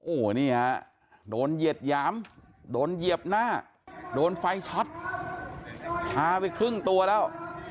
โอ้โหนี่ฮะโดนเหยียดหยามโดนเหยียบหน้าโดนไฟช็อตชาไปครึ่งตัวแล้ว